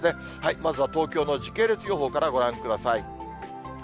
まずは東京の時系列予報からご覧ください。